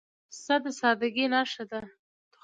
پسه د سادګۍ نښه ده.